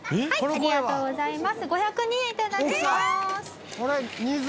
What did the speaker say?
ありがとうございます。